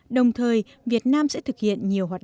đồng thời việt nam sẽ thực hiện nhiều hoạt động